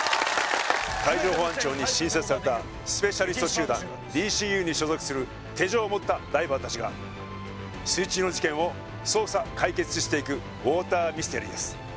海上保安庁に新設されたスペシャリスト集団ＤＣＵに所属する手錠を持ったダイバーたちが水中の事件を捜査解決していくウォーターミステリーです